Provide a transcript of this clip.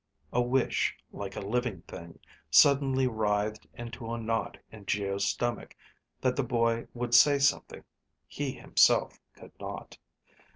A wish, like a living thing, suddenly writhed into a knot in Geo's stomach, that the boy would say something. He himself could not.